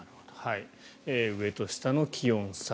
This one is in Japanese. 上と下の気温差。